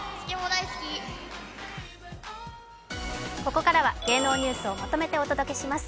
ここからは芸能ニュースをまとめてお届けします。